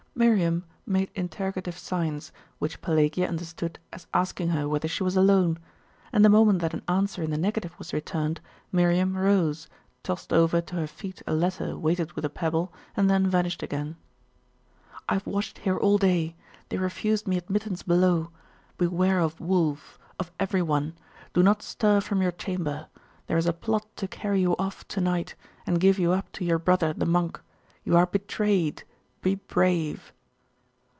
Miriam made interrogative signs, which Pelagia understood as asking her whether she was alone; and the moment that an answer in the negative was returned, Miriam rose, tossed over to her feet a letter weighted with a pebble, and then vanished again. 'I have watched here all day! They refused me admittance below. Beware of Wulf, of every one. Do not stir from your chamber. There is a plot to carry you off to night, and give you up to your brother the monk; you are betrayed; be brave!